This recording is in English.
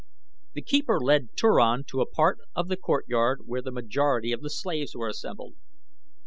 The keeper led Turan to a part of the courtyard where the majority of the slaves were assembled.